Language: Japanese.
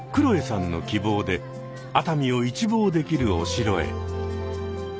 さんの希望で熱海を一望できるお城へ。